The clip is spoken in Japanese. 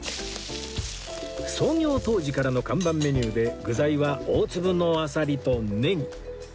創業当時からの看板メニューで具材は大粒のアサリとネギ